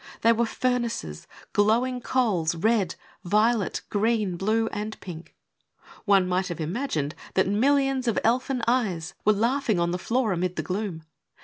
They were furnaces, glowing coals, red, violet, green, blue and pink. One might have imagined that millions of elfin eyes were 20 322 A STRANGE PHILOSOPHER. laugliing on the floor, amid the gloom.